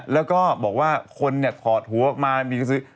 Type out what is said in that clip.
แล้วก็บอกว่าคนถอดหัวมาผีกสือ